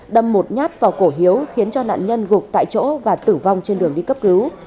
đâm một nhát vào cổ hiếu khiến cho nạn nhân gục tại chỗ và tử vong trên đường đi cấp cứu